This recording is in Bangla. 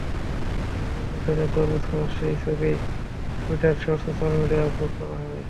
এরপরে মিশেলের তরমুজ খাওয়ার সেই ছবি টুইটারসহ সোশ্যাল মিডিয়ায় আপলোড করা হয়।